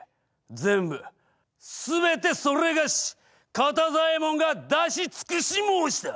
全部すべてそれがし肩座右衛門が出し尽くし申した！